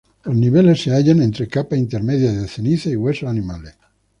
Los niveles se hallan entre capas intermedias de ceniza y huesos animales.